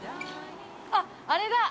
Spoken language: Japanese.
あっあれだ！